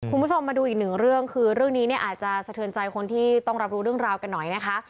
คุณผู้ชมมาดูอีกหนึ่งเรื่องคือเรื่องนี้เนี่ยอาจจะสะเทือนใจคนที่ต้องรับรู้เรื่องราวกันหน่อยนะคะ